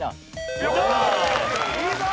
いいぞ！